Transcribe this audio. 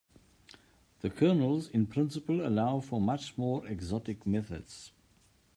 The kernels in principle allow for much more exotic methods.